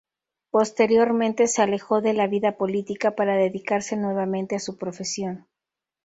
Posteriormente se alejó de la vida política, para dedicarse nuevamente a su profesión.